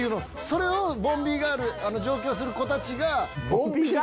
それをボンビーガール上京する子。